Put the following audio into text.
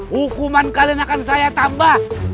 hukuman kalian akan saya tambah